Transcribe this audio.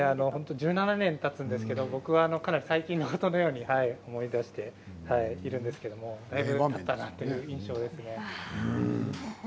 １７年たつんですけど僕はかなり最近のことのように思い出しているんですけど印象的ですね。